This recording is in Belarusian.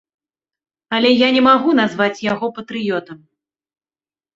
Але я не магу назваць яго патрыётам.